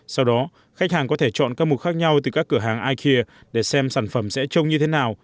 sau đó khách hàng có thể chọn các mục khác nhau từ các cửa hàng ikea để xem sản phẩm sẽ trông như thế nào